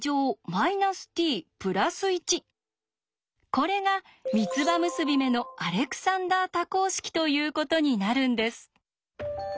これが三つ葉結び目のアレクサンダー多項式ということになるんです。